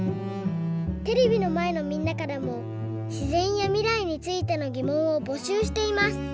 テレビのまえのみんなからもしぜんやみらいについてのぎもんをぼしゅうしています。